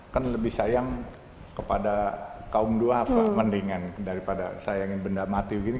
kan lebih sayang kepada kaum dua mendingan daripada sayangin benda mati begini